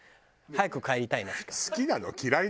早く帰りたいなしか。